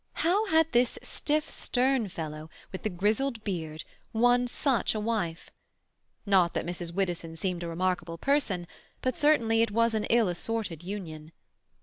How had this stiff, stern fellow with the grizzled beard won such a wife? Not that Mrs. Widdowson seemed a remarkable person, but certainly it was an ill assorted union.